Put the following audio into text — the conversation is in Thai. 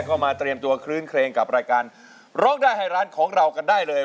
ต้องการมาเตรียมตัวครึ่งกับรายการร้องได้ฮาวล้านของเรากันได้เลย